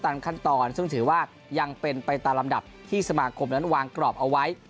ตามขั้นตอนซึ่งถือว่ายังเป็นไปตามลำดับที่สมาคมนั้นวางกรอบเอาไว้